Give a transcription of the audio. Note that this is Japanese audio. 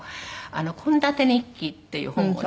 『献立日記』っていう本をね